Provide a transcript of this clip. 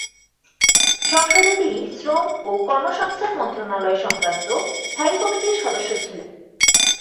সংসদে তিনি শ্রম ও কর্মসংস্থান মন্ত্রণালয়-সংক্রান্ত স্থায়ী কমিটির সদস্য ছিলেন।